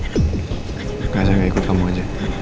gak ada yang ikut kamu aja